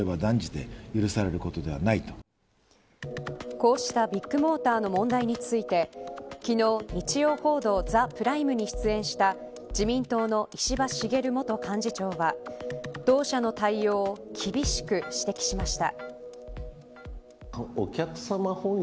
こうしたビッグモーターの問題について昨日日曜報道ＴＨＥＰＲＩＭＥに出演した自民党の石破茂元幹事長は同社の対応を厳しく指摘しました。